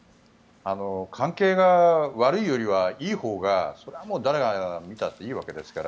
関係が悪いよりは、いいほうがそれはもう誰が見たっていいわけですから。